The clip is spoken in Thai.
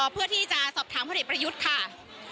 เพื่อที่จะสอบถามพลเอกประยุทธ์ค่ะ